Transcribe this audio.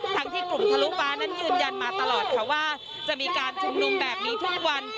ทั้งที่กลุ่มทะลุฟ้านั้นยืนยันมาตลอดค่ะว่าจะมีการชุมนุมแบบนี้ทุกวัน